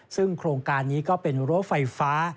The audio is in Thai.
ซึ่งโครงการนี้ก็เป็นรั้วไฟฟ้า